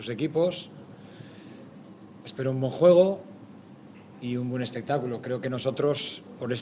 sebagai pemain yang semuanya tidak bisa sel noticing